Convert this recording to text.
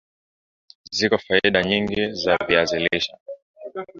ziko faida nyingi za viazi lishe